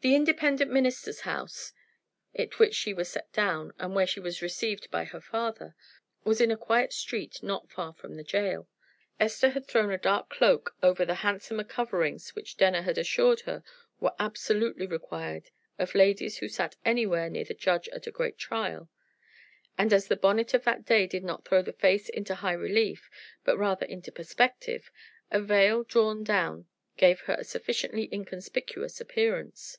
The Independent minister's house at which she was set down, and where she was received by her father, was in a quiet street not far from the jail. Esther had thrown a dark cloak over the handsomer coverings which Denner had assured her were absolutely required of ladies who sat anywhere near the judge at a great trial; and as the bonnet of that day did not throw the face into high relief, but rather into perspective, a veil drawn down gave her a sufficiently inconspicuous appearance.